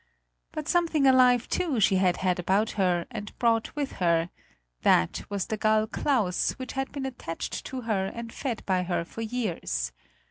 But something alive, too, she had had about her and brought with her: that was the gull Claus, which had been attached to her and fed by her for years.